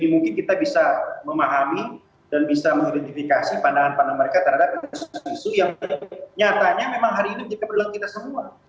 jadi mungkin kita bisa memahami dan bisa mengidentifikasi pandangan pandangan mereka terhadap suatu isu yang nyatanya memang hari ini tidak berlaku kita semua